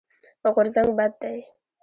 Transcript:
غورځنګ بد دی.